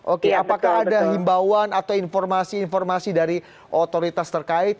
oke apakah ada himbauan atau informasi informasi dari otoritas terkait